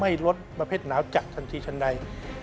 ลดประเภทหนาวจัดทันทีชันใด